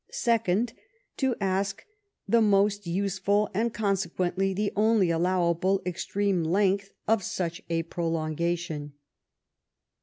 the crowned conspirators ; 2nd, to ask " the most useful, and consequently the only allowable, extreme length of such a prolongation."